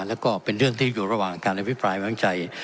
แล้วก็เป็นเรื่องที่อยู่ระหว่างการอภิปรายวางใจ